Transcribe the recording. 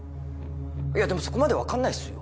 いやでもそこまでは分かんないっすよ。